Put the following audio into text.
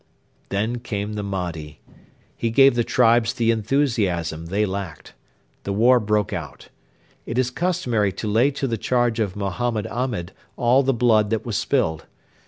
Then came the Mahdi. He gave the tribes the enthusiasm they lacked. The war broke out. It is customary to lay to the charge of Mohammed Ahmed all the blood that was spilled.